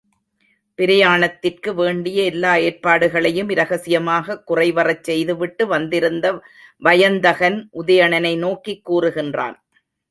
பிரயாணத்திற்கு வேண்டிய எல்லா ஏற்பாடுகளையும் இரகசியமாகக் குறைவறச் செய்துவிட்டு வந்திருந்த வயந்தகன், உதயணனை நோக்கிக் கூறுகின்றான்.